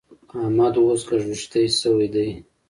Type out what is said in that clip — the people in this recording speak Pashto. احمد اوس ګږوېښتی شوی دی.